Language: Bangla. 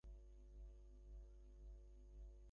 সুতরাং দেখা গেল, এই অবিবেকই দুঃখের কারণ।